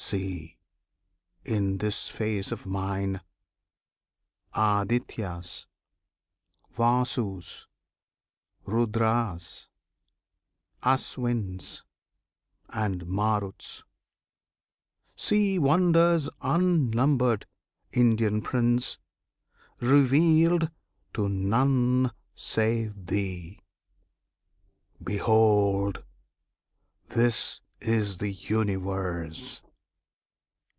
See! in this face of mine, Adityas, Vasus, Rudras, Aswins, and Maruts; see Wonders unnumbered, Indian Prince! revealed to none save thee. Behold! this is the Universe!